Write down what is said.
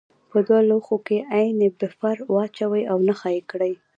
په دوه لوښو کې عین بفر واچوئ او نښه یې کړئ.